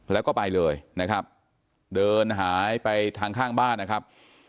แล้วก็ไปเลยนะครับเดินหายไปทางข้างบ้านนะครับ